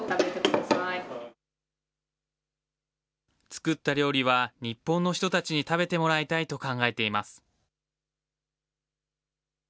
作った料理は日本の人たちに食べてもらいたいと考えています。